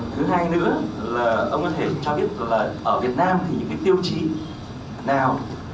thứ hai nữa là ông có thể cho biết là ở việt nam thì những cái tiêu chí nào